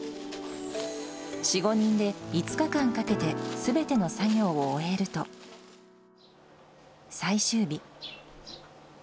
４、５人で５日間かけてすべての作業を終えると、最終日。